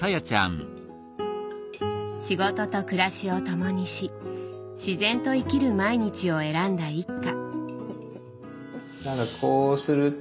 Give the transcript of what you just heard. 仕事と暮らしを共にし自然と生きる毎日を選んだ一家。